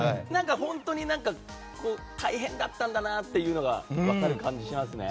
本当に大変だったんだなって分かる感じしますね。